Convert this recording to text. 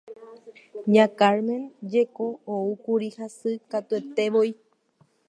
Ña Carmen jeko oúkuri hasykatuetévoi.